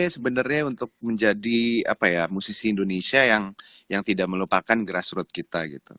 sebenarnya untuk menjadi apa ya musisi indonesia yang yang tidak melupakan grassroot kita gitu